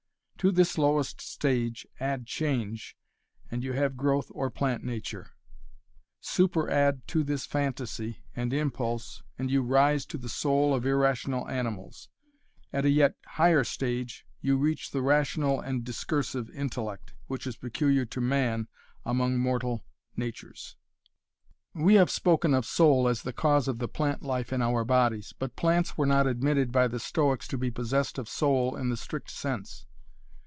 To this lowest stage add change, and you have growth or plant nature; super add to this phantasy and impulse and you rise to the soul of irrational animals; at a yet higher stage you reach the rational and discursive intellect, which is peculiar to man among mortal natures. We have spoken of soul as the cause of the plant life in our bodies, but plants were not admitted by the Stoics to be possessed of soul in the strict sense.